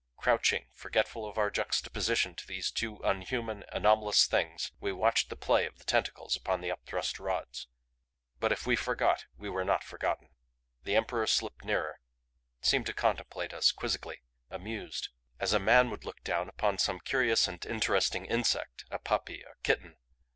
Crouching, forgetful of our juxtaposition to these two unhuman, anomalous Things, we watched the play of the tentacles upon the upthrust rods. But if we forgot, we were not forgotten! The Emperor slipped nearer; seemed to contemplate us quizzically, AMUSED; as a man would look down upon some curious and interesting insect, a puppy, a kitten.